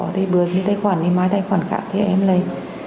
thì bước cái tài khoản thì mái tài khoản khác thì em lấy